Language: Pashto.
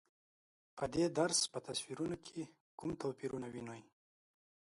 په دې درس په تصویرونو کې کوم توپیرونه وینئ؟